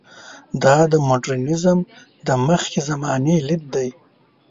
دا د مډرنیزم د مخکې زمانې لید دی.